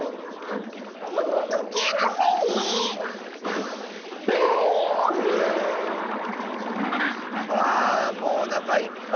このとけいのせい⁉はあもうおなかいっぱい。